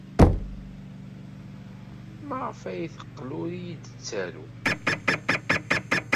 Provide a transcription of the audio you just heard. Maɣef ay teqqel ur iyi-d-tettaru?